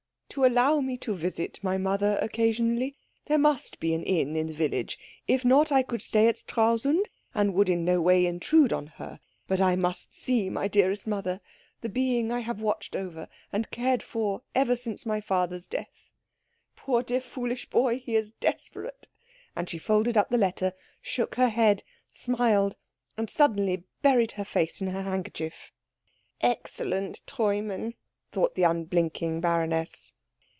"' to allow me to visit my mother occasionally. There must be an inn in the village. If not, I could stay at Stralsund, and would in no way intrude on her. But I must see my dearest mother, the being I have watched over and cared for ever since my father's death.' Poor, dear, foolish boy he is desperate " And she folded up the letter, shook her head, smiled, and suddenly buried her face in her handkerchief. "Excellent Treumann," thought the unblinking baroness.